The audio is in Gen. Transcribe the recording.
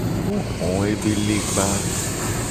Wo ho ebe legba.